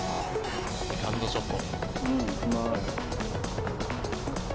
セカンドショット。